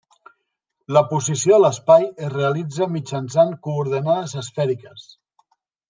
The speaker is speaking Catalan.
La posició a l'espai es realitza mitjançant coordenades esfèriques.